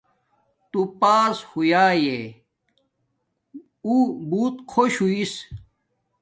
تو پاس ہویاݵ اݸ بوت خوش ہوݵس